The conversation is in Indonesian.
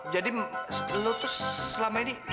jadi lo tuh selama ini